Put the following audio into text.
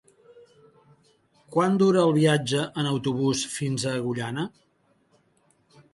Quant dura el viatge en autobús fins a Agullana?